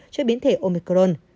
cho biến thể omicron